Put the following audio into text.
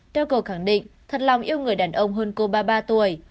dougal khẳng định thật lòng yêu người đàn ông hơn cô ba mươi ba tuổi